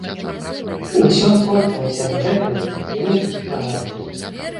Усё скончылася б гэтым, і мы б прагарэлі.